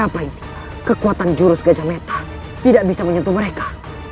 tapi kekuatan jurus gajah meta tidak bisa menyentuh mereka